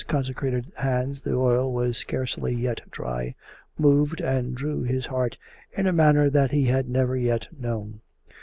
consecrated hands the oil was scarcely yet dry^ moved and drew his heart in a manner that he had never yet known.